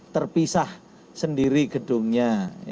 terpisah sendiri gedungnya